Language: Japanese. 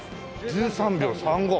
１３秒３５。